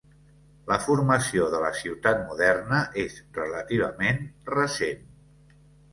La formació de la ciutat moderna és relativament recent.